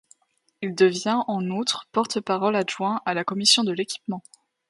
Il devient, en outre, porte-parole adjoint à la commission de l'Équipement.